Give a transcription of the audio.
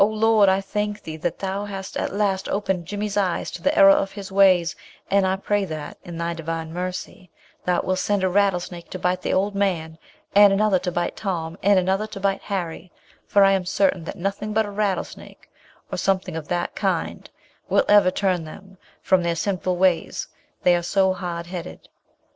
Lord, I thank thee, that thou hast at last opened Jimmy's eyes to the error of his ways; and I pray that, in thy Divine mercy, thou wilt send a rattlesnake to bite the old man, and another to bite Tom, and another to bite Harry, for I am certain that nothing but a rattlesnake, or something of the kind, will ever turn them from their sinful ways, they are so hard headed.'